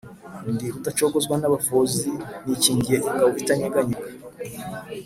Ndi Rudacogozwa n’abafozi, nikingiye ingabo itanyeganyega